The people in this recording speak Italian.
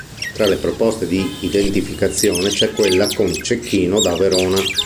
Tra le proposte di identificazione c'è quella con Cecchino da Verona.